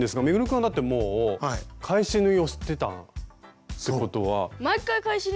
君はだってもう返し縫いを知ってたってことは。